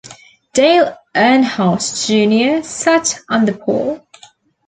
Dale Earnhardt, Junior sat on the pole.